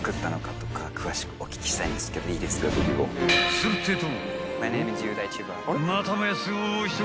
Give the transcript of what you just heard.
［するってぇと］